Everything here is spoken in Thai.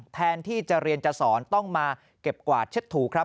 แทนที่จะเรียนจะสอนต้องมาเก็บกวาดเช็ดถูครับ